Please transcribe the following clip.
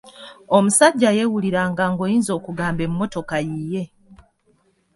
Omusajja yeewuliranga ng'oyinza okugamba emmotoka yiye.